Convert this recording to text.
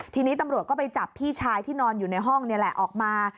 ทีนี้ตำรวจก็ไปจับพี่ชายที่นอนอยู่ในห้องนี่แหละออกมา